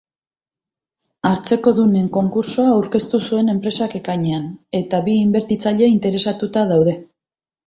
Hartzekodunen konkurtsoa aurkeztu zuen enpresak ekainean, eta bi inbertitzaile interesatuta daude.